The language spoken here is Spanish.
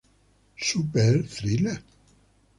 Super Thriller